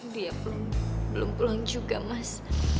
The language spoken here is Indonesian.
dia belum pulang juga mas